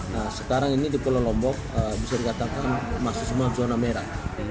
nah sekarang ini di pulau lombok bisa dikatakan masih semua zona merah